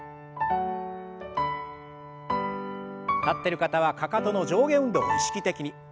立ってる方はかかとの上下運動を意識的に。